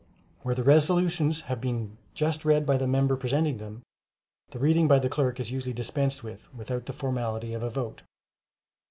Where the resolutions have been just read by the member presenting them, the reading by the clerk is usually dispensed with without the formality of a vote.